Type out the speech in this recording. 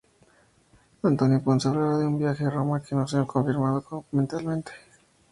Antonio Ponz hablaba de un viaje a Roma que no se ha confirmado documentalmente.